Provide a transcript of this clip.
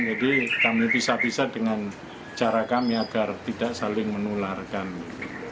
jadi kami pisah pisah dengan cara kami agar tidak saling menular kami